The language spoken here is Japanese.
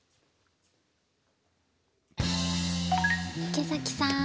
池崎さん。